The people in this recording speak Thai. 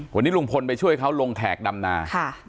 วันนี้ลุงพลไปช่วยเขาลงแขกดำนา